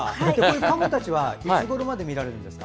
カモたちはいつごろまで見られるんですか？